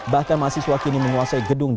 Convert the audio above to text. bahkan mahasiswa kini menguasai gedung